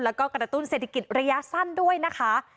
แล้วก็กระตุ้นเศรษฐกิจระยะสั้นด้วยนะคะ